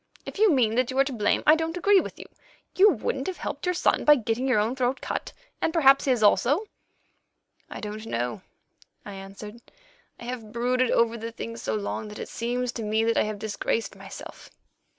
If you mean that you are to blame, I don't agree with you. You wouldn't have helped your son by getting your own throat cut, and perhaps his also." "I don't know," I answered. "I have brooded over the thing so long that it seems to me that I have disgraced myself.